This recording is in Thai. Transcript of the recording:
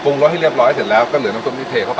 รสให้เรียบร้อยเสร็จแล้วก็เหลือน้ำซุปที่เทเข้าไป